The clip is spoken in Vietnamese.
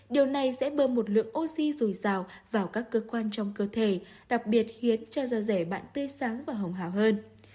điều này sẽ bơm một lượng oxy dồi dào vào các cơ quan trong cơ thể đặc biệt khiến cho da rẻ bạn tươi sáng và hồng hào hơn